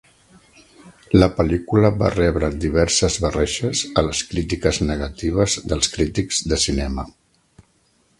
La pel·lícula va rebre diverses barreges a les crítiques negatives dels crítics de cinema.